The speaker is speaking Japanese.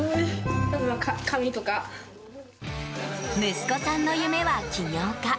息子さんの夢は起業家。